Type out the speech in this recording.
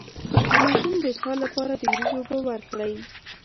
د ماشوم د اسهال لپاره د وریجو اوبه ورکړئ